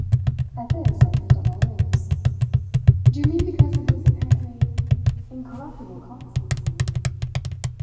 At this I pricked up my ears. "Do you mean because of his apparently incorruptible constancy?"